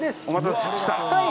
お待たせしました。